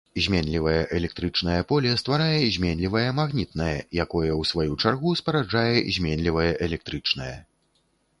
Зменлівае электрычнае поле стварае зменлівае магнітнае, якое, у сваю чаргу спараджае зменлівае электрычнае.